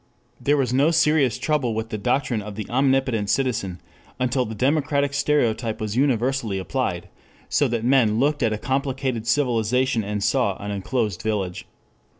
There was no serious trouble with the doctrine of the omnicompetent citizen until the democratic stereotype was universally applied, so that men looked at a complicated civilization and saw an enclosed village.